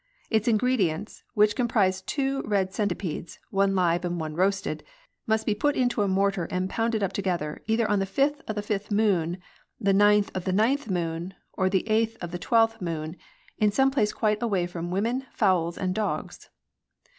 Its ingre dients, which comprise two red centipedes — one live and one roasted — must be put into a mortar and pounded up together either on the 5th of the 5 th moon, the 9th of the 9th moon, or the 8th of the 12th moon, in some place quite away from women, fowls, and dogs.